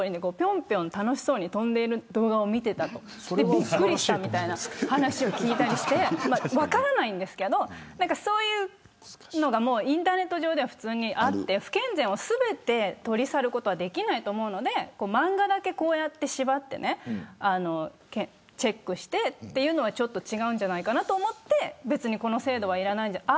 びっくりしたみたいな話を聞いたんで分からないんですけどそういうのがインターネット上ではあって不健全を全て取り去ることはできないと思うので漫画だけこうやって縛ってチェックしてというのは違うんじゃないかなと思ってこの制度はいらないんじゃないか。